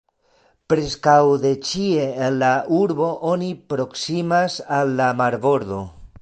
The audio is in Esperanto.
Preskaŭ de ĉie en la urbo oni proksimas al la marbordo.